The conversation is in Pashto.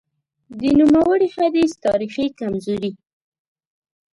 د نوموړي حدیث تاریخي کمزوري :